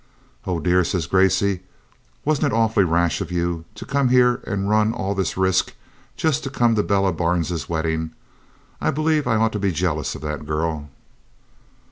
'Oh dear!' says Gracey, 'wasn't it awfully rash of you to come here and run all this risk just to come to Bella Barnes's wedding? I believe I ought to be jealous of that girl.'